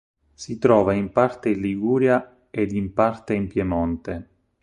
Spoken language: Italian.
Si trova in parte in Liguria ed in parte in Piemonte.